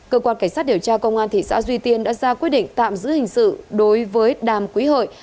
cơ quan cảnh sát điều tra công an thị xã duy tiên đã ra quyết định tạm giữ hình sự đối với đàm quý hội